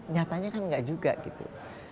nyatanya kan enggak juga gitu